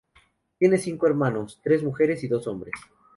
Tiene cinco hermanos, tres mujeres y dos hombres.